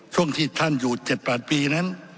ช่วงที่ท่านอยู่๗๘ปีนั้น